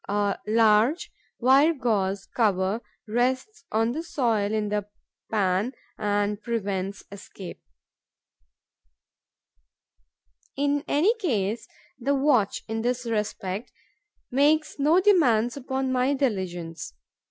A large wire gauze cover rests on the soil in the pan and prevents escape. In any case, the watch, in this respect, makes no demands upon my diligence.